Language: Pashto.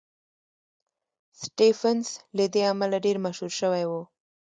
سټېفنس له دې امله ډېر مشهور شوی و.